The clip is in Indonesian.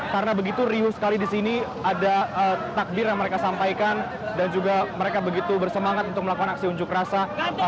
karena begitu riuh sekali di sini ada takdir yang mereka sampaikan dan juga mereka begitu bersemangat untuk melakukan aksi unjuk rasa